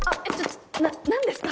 な何ですか？